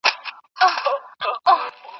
موږ په خپله ټولنه کې مثبت بدلون غواړو.